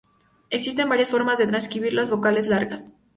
Existen varias formas de transcribir las vocales largas.